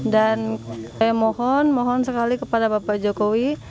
dan saya mohon mohon sekali kepada bapak jokowi